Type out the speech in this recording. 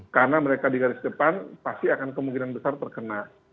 karena mereka di garis depan pasti akan kemungkinan besar terkena